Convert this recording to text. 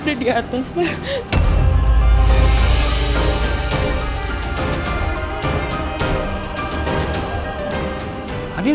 tapi dia gak sendiri